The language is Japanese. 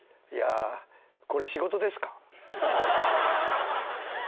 いやこれ仕事ですか？